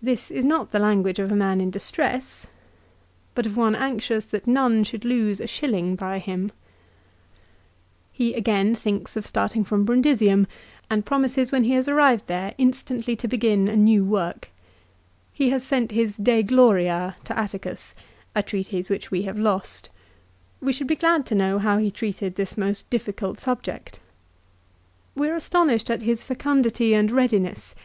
2 This is not the language of a man in distress, but of one anxious that none should lose a shilling by him. 1 Ad Att. xvi. 5. a Ad Att. xvi. 2. VOL. II. Q 226 LIFE OF CICERO. He again thinks of starting from Brundisium, and promises when he has arrived there instantly to begin a new work. He has sent his "De Gloria" to Atticus, a treatise which we have lost. We should be glad to know how he treated this most difficult subject. We are astonished at his fecun dity and readiness.